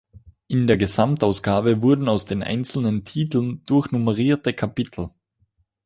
In der Gesamtausgabe wurden aus den einzelnen Titeln durchnummerierte Kapitel.